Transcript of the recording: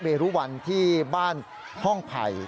สายลูกไว้อย่าใส่